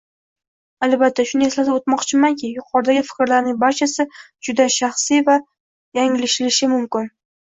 Albatta, shuni eslatib o'tmoqchimanki, yuqoridagi fikrlarning barchasi juda shaxsiy va yanglishishi mumkin.